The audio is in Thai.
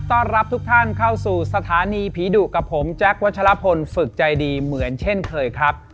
ต้อนรับทุกท่านเข้าสู่สถานีผีดุกับผมแจ๊ควัชลพลฝึกใจดีเหมือนเช่นเคยครับ